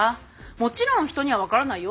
もちろん人には分からないよ